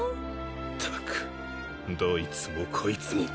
ったくどいつもこいつも